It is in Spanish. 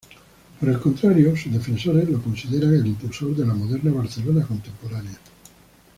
Por el contrario, sus defensores lo consideran el impulsor de la moderna Barcelona contemporánea.